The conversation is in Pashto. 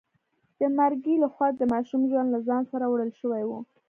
د مرګي لخوا د ماشوم ژوند له ځان سره وړل شوی و.